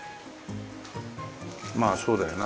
まあそうだよな。